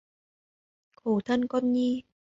Khổ thân con Nhi